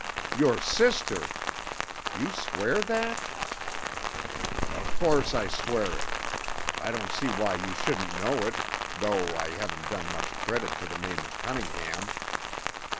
"Your sister! You swear that?" "Of course I swear it. I don't see why you shouldn't know it though I haven't done much credit to the name of Cunningham."